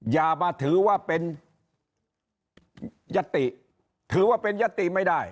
อย่ามาถือว่าเป็นยติถือว่าเป็นยติไม่ได้